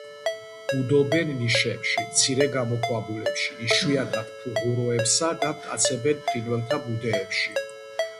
ბუდობენ ნიშებში, მცირე გამოქვაბულებში, იშვიათად ფუღუროებსა და მტაცებელ ფრინველთა ბუდეებში.